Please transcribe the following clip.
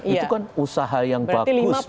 itu kan usaha yang bagus